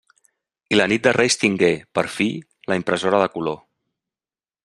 I la nit de Reis tingué, per fi!, la impressora de color.